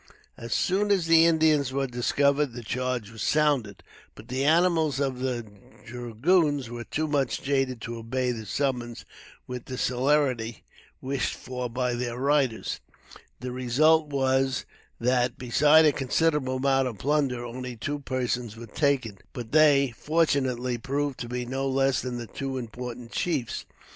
As soon as the Indians were discovered the charge was sounded, but the animals of the dragoons were too much jaded to obey the summons with the celerity wished for by their riders; the result was that, besides a considerable amount of plunder, only two persons were taken, but they, fortunately, proved to be no less than two important chiefs.